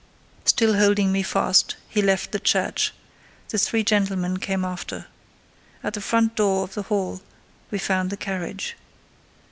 Still holding me fast, he left the church: the three gentlemen came after. At the front door of the hall we found the carriage.